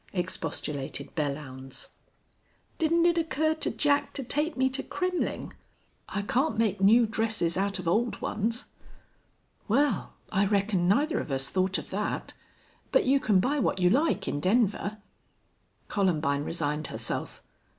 expostulated Belllounds. "Didn't it occur to Jack to take me to Kremmling? I can't make new dresses out of old ones." "Wal, I reckon neither of us thought of thet. But you can buy what you like in Denver." Columbine resigned herself.